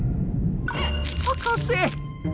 博士。